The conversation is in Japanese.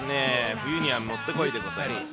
冬にはもってこいでございます。